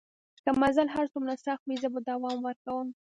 که مزل هر څومره سخت وي زه به دوام ورکوم.